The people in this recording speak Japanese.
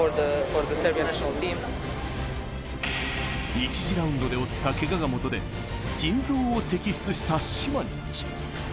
１次ラウンドで負ったけががもとで腎臓を摘出したシマニッチ。